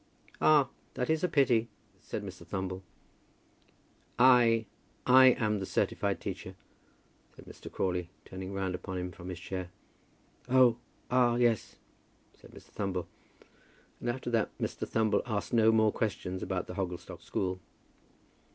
"Ah, that is a pity," said Mr. Thumble. "I, I am the certified teacher," said Mr. Crawley, turning round upon him from his chair. "Oh, ah, yes," said Mr. Thumble; and after that Mr. Thumble asked no more questions about the Hogglestock school.